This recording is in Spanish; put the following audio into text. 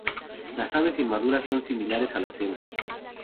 Las aves inmaduras son similares a las hembras.